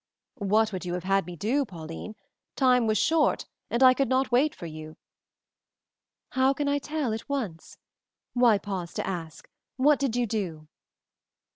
What would you have had me do, Pauline? Time was short, and I could not wait for you." "How can I tell at once? Why pause to ask? What did you do?"